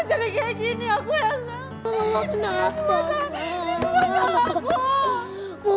ini semua salah ini semua salah aku